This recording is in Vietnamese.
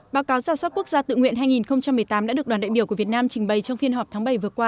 báo cáo giả soát quốc gia tự nguyện hai nghìn một mươi tám đã được đoàn đại biểu của việt nam trình bày trong phiên họp tháng bảy vừa qua